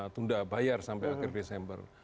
tunda bayar sampai akhir desember